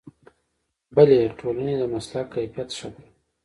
بلې ټولنې د مسلک کیفیت ښه کړ.